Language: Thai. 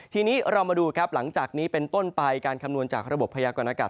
ทีนี้เรามาดูครับหลังจากนี้เป็นต้นไปการคำนวณจากระบบพยากรณากาศ